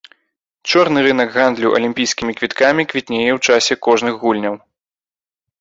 Чорны рынак гандлю алімпійскімі квіткамі квітнее ў часе кожных гульняў.